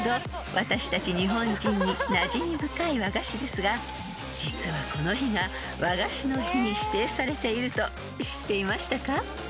私たち日本人になじみ深い和菓子ですが実はこの日が和菓子の日に指定されていると知っていましたか？］